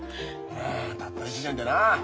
うんたった１年でなあ。